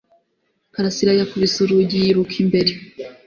Karasira yakubise urugi yiruka imbere